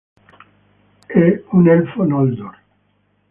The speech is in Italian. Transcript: È un Elfo Noldor.